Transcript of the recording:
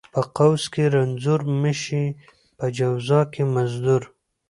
ـ په قوس کې رنځور مشې، په جواز کې مزدور.